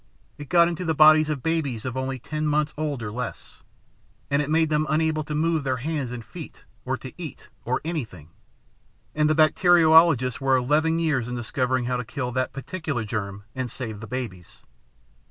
It got into the bodies of babies of only ten months old or less, and it made them unable to move their hands and feet, or to eat, or anything; and the bacteriologists were eleven years in discovering how to kill that particular germ and save the babies.